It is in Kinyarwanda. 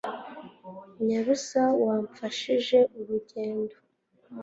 Nyabusa wamfashije urugendo